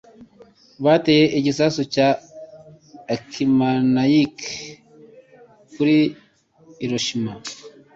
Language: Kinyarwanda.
Bateye igisasu cya Akimanaic kuri Hiroshima.